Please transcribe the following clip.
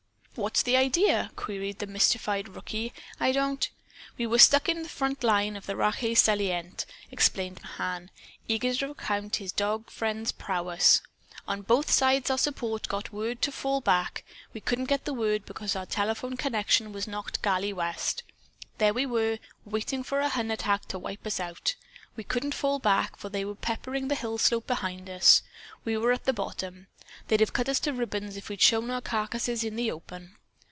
"What's the idea?" queried the mystified rookie. "I don't " "We were stuck in the front line of the Rache salient," explained Mahan, eager to recount his dog friend's prowess. "On both sides our supports got word to fall back. We couldn't get the word, because our telephone connection was knocked galley west. There we were, waiting for a Hun attack to wipe us out. We couldn't fall back, for they were peppering the hillslope behind us. We were at the bottom. They'd have cut us to ribbons if we'd shown our carcasses in the open.